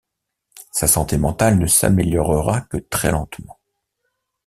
Sa santé mentale ne s'améliorera que très lentement.